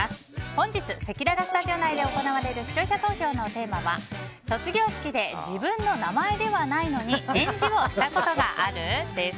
本日せきららスタジオ内で行われる視聴者投票のテーマは卒業式で自分の名前ではないのに返事をしたことがある？です。